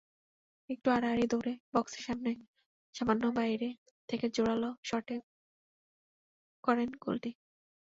একটু আড়াআড়ি দৌড়ে বক্সের সামান্য বাইরে থেকে জোরালো শটে করেন গোলটি।